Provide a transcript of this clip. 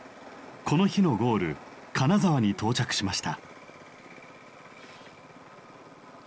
この日のゴール金沢に到着しました。